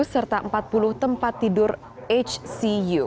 serta empat puluh tempat tidur di dalam rumah sakit darurat